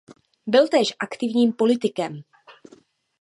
Byl též aktivním politikem.